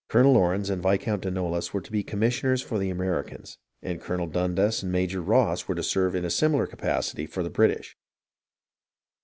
Colonel Laurens and Viscount de Noailles were to be the commissioners for the Ameri cans, and Colonel Dundas and Major Ross were to serve in a similar capacity for the British.